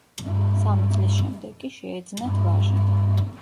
სამი წლის შემდეგ კი შეეძნათ ვაჟი.